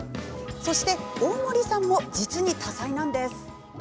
そして大森さんも実に多才なんです。